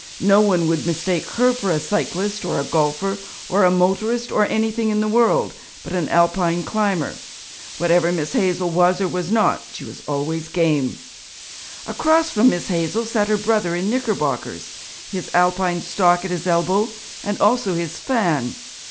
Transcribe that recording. No one would mistake her for a cyclist or a golfer or a motorist or anything in the world but an Alpine climber; whatever Miss Hazel was or was not, she was always game. Across from Miss Hazel sat her brother in knickerbockers, his Alpine stock at his elbow and also his fan.